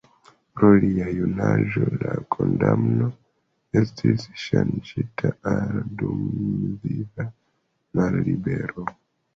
Pro lia junaĝo la kondamno estis ŝanĝita al dumviva mallibero.